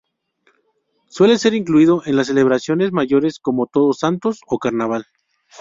Suele ser incluido en las celebraciones mayores como Todos Santos o carnaval.